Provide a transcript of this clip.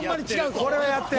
これはやってる。